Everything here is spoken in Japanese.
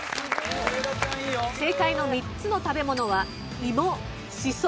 正解の３つの食べ物はいもしそ